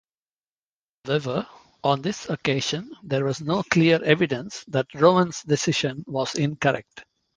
However, on this occasion there was no clear evidence that Rowan's decision was incorrect.